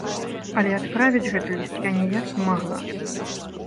Але адправіць гэты ліст я ніяк не магла.